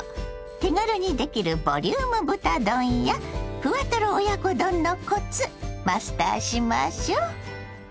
手軽にできるボリューム豚丼やふわトロ親子丼のコツマスターしましょう。